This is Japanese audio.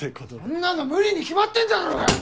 そんなの無理に決まってんだろうが！